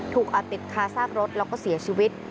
อาจติดคาซากรถแล้วก็เสียชีวิต